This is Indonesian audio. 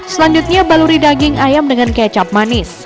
selanjutnya baluri daging ayam dengan kecap manis